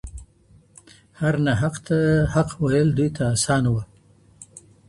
هر ناحق ته حق ویل دوی ته آسان وه